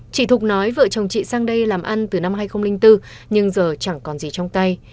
chị thục nói vợ chồng chị sang đây làm ăn từ năm hai nghìn bốn nhưng giờ chẳng còn gì trong tay